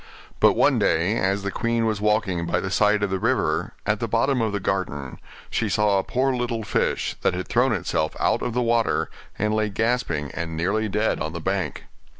But one day as the queen was walking by the side of the river, at the bottom of the garden, she saw a poor little fish, that had thrown itself out of the water, and lay gasping and nearly dead on the bank.